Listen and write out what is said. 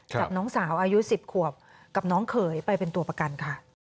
กับน้องสาวอายุ๑๐ขวบกับน้องเขยไปเป็นตัวประกันค่ะ